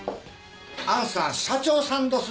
あんさん社長さんどす。